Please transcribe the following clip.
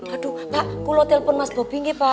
aduh pak aku mau telepon mas bobing nih pak